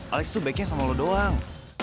alex tuh backnya sama lo doang